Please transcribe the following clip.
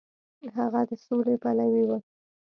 هغه د سولې پلوی و.